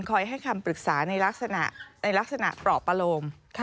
คอยให้คำปรึกษาในลักษณะเปราะประโลม